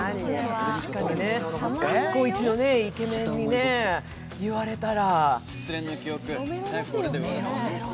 確かにね、学校一のイケメンに言われたら。